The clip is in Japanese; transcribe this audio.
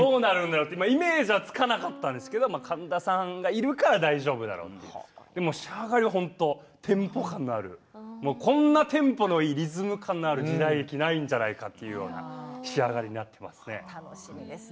イメージがつかなかったんですけど神田さんがいるから大丈夫だろうと仕上がりはテンポ感のあるこんなテンポのいいリズム感がある時代劇はないんじゃないかというような楽しみですね。